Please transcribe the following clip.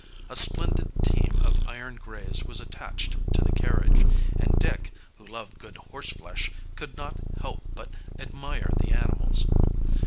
A splendid team of iron grays was attached to the carriage; and Dick, who loved good horseflesh, could not help but admire the animals.